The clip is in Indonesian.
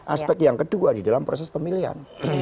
aspek yang kedua di dalam proses pemilihan